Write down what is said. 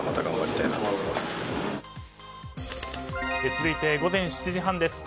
続いて午前７時半です。